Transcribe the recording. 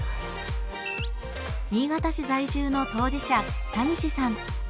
新潟市在住の当事者たにしさん。